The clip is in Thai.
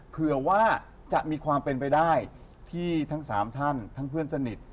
เผื่อว่าจะมีความเป็นไปได้ที่ทั้ง๓ท่านทั้งเพื่อนสนิท